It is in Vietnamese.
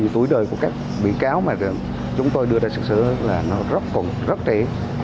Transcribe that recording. tối đời của các bị cáo mà chúng tôi đưa ra sửa sửa là nó rất trễ